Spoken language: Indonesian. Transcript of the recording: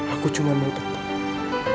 aku cuma mau tetap